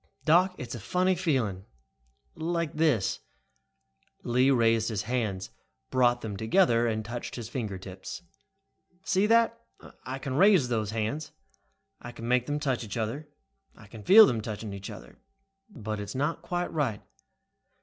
"Doc, it's a funny feeling. Like this." Lee raised his hands, brought them together and touched his fingertips. "See that? I can raise those hands. I can make them touch each other. I can feel them touching each other. But it is just not quite right.